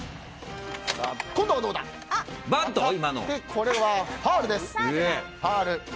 これはファウルです。